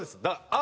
「あ」